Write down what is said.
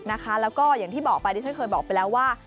แล้วก็อย่างที่บอกไปดิฉันเคยบอกไปแล้วว่า